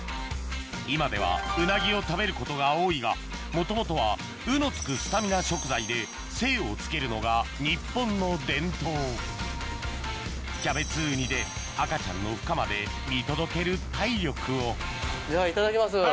今ではうなぎを食べることが多いがもともとは「う」の付くスタミナ食材で精をつけるのが日本の伝統キャベツウニで赤ちゃんのふ化まで見届ける体力をではいただきます。